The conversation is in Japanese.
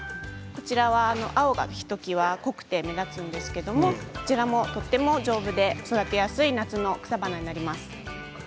こちらは青がひときわ濃くて目立つんですけれどこちらも、とても丈夫で育てやすい夏の草花です。